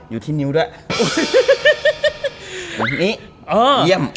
อยู่ที่นิ้วด้วยอยู่ที่นี่เยี่ยม